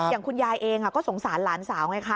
อย่างคุณยายเองก็สงสารหลานสาวไงคะ